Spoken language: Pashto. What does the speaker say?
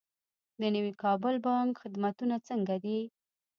د نوي کابل بانک خدمتونه څنګه دي؟